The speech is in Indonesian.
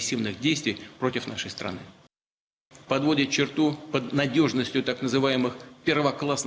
selain itu juga akan dikirim tujuh senjata ringan lain